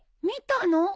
見たの？